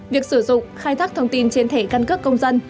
việc sử dụng khai thác thông tin trên thẻ căn cước công dân